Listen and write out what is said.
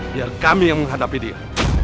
biar kami yang menghadapi dia